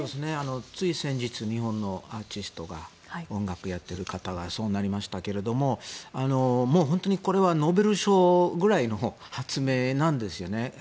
つい先日日本のアーティストが音楽やってる方がそうなりましたがもう本当にこれはノーベル賞ぐらいの発明なんですよね。